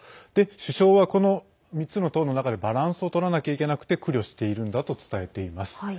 首相は、この３つの党の中でバランスをとらなきゃいけなくて苦慮しているんだと伝えています。